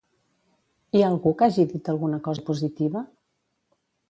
Hi ha algú que hagi dit alguna cosa positiva?